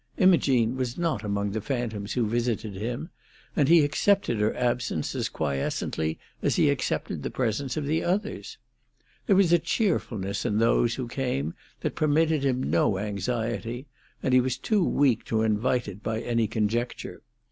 Imogene was not among the phantoms who visited him; and he accepted her absence as quiescently as he accepted the presence of the others. There was a cheerfulness in those who came that permitted him no anxiety, and he was too weak to invite it by any conjecture.